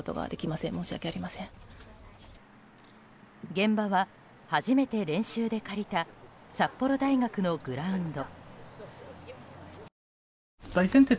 現場は初めて練習で借りた札幌大学のグラウンド。